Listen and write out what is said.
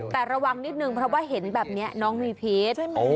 แต่ระวังนิดนึงเพราะว่าเห็นแบบนี้น้องมีพิษ